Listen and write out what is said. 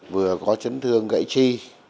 vừa có trấn thương gãy chi